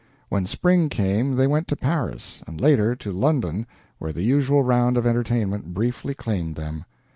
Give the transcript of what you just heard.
When spring came they went to Paris, and later to London, where the usual round of entertainment briefly claimed them.